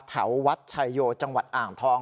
แถววัดชายโยจังหวัดอ่างทอง